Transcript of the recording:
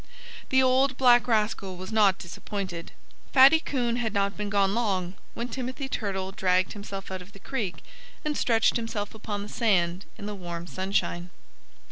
The old black rascal was not disappointed. Fatty Coon had not been gone long when Timothy Turtle dragged himself out of the creek and stretched himself upon the sand in the warm sunshine.